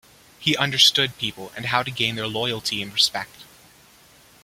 He understood people and how to gain their loyalty and respect.